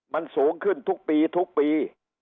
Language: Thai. มันสูงขึ้นทุกปี